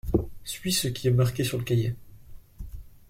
Suis ce qui est marqué sur le cahier.